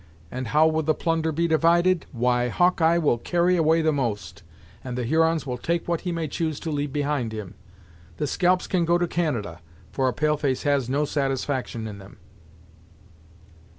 And how will the plunder be divided? Why, Hawkeye, will carry away the most, and the Hurons will take what he may choose to leave behind him. The scalps can go to Canada, for a pale face has no satisfaction in them."